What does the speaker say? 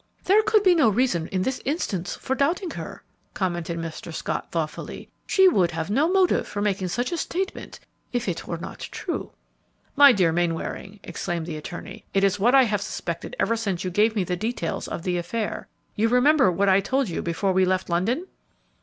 "There could be no reason in this instance for doubting her," commented Mr. Scott, thoughtfully; "she would have no motive for making such a statement if it were not true." "My dear Mainwaring!" exclaimed the attorney, "it is what I have suspected ever since you gave me the details of the affair; you remember what I told you before we left London!"